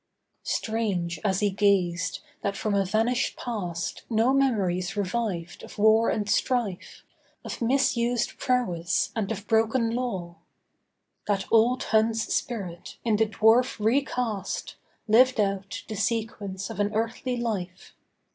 Strange, as he gazed, that from a vanished past No memories revived of war and strife, Of misused prowess, and of broken law. That old Hun's spirit, in the dwarf re cast, Lived out the sequence of an earthly life.